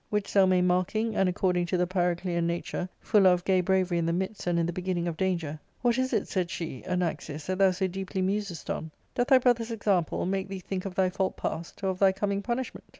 Which Zelmane marking, and, according to the Pyroclean nature,* fuller of gay bravery in the midst than in the beginning of danger, " What is it,'* said she, " Anaxius, that thou so deeply musest on } Doth thy brothers* example make thee think of thy fault past, or of thy coming punish ment